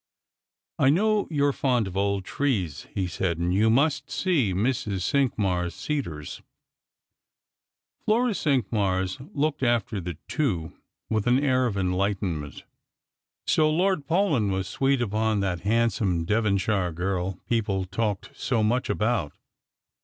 " I know you're fond of old trees," he said, " and you must see Mrs. Citiqmars' cedars." Flora Cinqmars looked after the two with an air of enlighten ment. So Lord Paulyn was sweet upon that handsome Devon shire girl people talked so much about.